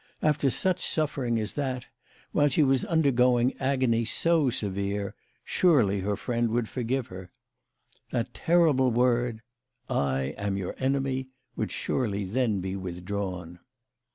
After such suffering as that, while she was undergoing agony so severe, surely her friend would forgive her. That terrible word, " I am your enemy," would surely then be withdrawn.